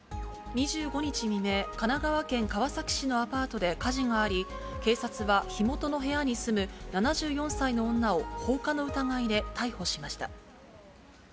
２５日未明、神奈川県川崎市のアパートで火事があり、警察は火元の部屋に住む７４歳の女を放火の疑いで逮捕しました。